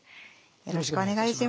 よろしくお願いします。